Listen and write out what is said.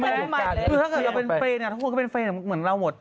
ถ้าเกิดเราเป็นเฟรนทุกคนก็เป็นเฟรนเหมือนเราหมด